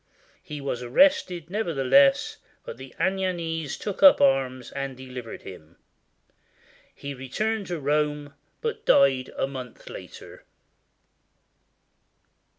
He was arrested nevertheless, but the Anagnese took up arms and delivered him. He returned to Rome, but died a month later.